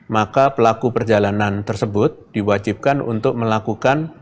maka pelaku perjalanan tersebut diwajibkan untuk melakukan